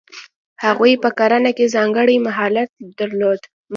هغوی په کرنه کې ځانګړی مهارت درلود.